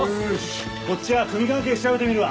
こっちは組関係調べてみるわ。